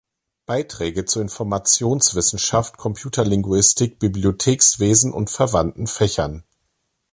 Beiträge zu Informationswissenschaft, Computerlinguistik, Bibliothekswesen und verwandten Fächern.